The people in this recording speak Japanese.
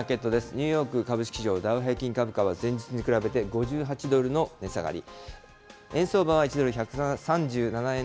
ニューヨーク株式市場、ダウ平均株価は前日に比べて５８ドルの値下がり。